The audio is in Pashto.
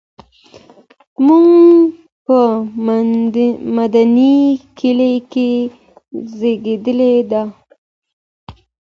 هغه په مندني کلي کې زېږېدلې ده.